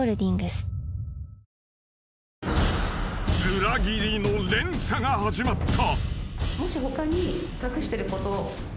［裏切りの連鎖が始まった］